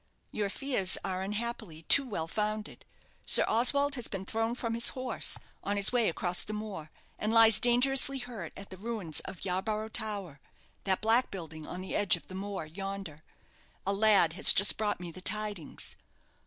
"Your fears are, unhappily, too well founded. Sir Oswald has been thrown from his horse, on his way across the moor, and lies dangerously hurt, at the ruins of Yarborough Tower that black building on the edge of the moor yonder. A lad has just brought me the tidings."